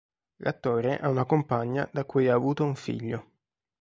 L'attore ha una compagna da cui ha avuto un figlio.